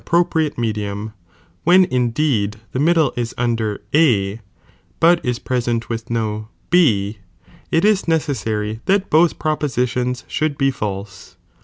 propriate medium,' when indeed the middle is under A, but ia present with no B, it is necessary that bolh propositions should be false.